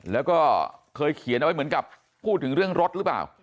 แล้วก็เคยเขียนเอาไว้เหมือนกับพูดถึงเรื่องรถหรือเปล่า